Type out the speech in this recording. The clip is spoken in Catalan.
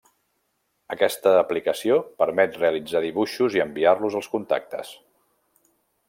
Aquesta aplicació permet realitzar dibuixos i enviar-los als contactes.